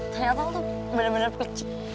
ternyata lo tuh bener bener pucu